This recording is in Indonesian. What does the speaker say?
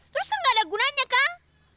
terus tuh gak ada gunanya kan